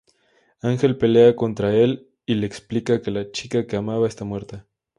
Ángel pelea contra el y le explica que la chica que amaba está muerta.